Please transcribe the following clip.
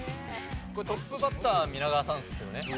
これトップバッター皆川さんっすよね。